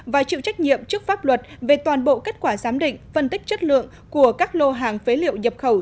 và chịu trách nhiệm trước pháp luật về toàn bộ kết quả giám định phân tích chất lượng của các lô hàng phế liệu nhập khẩu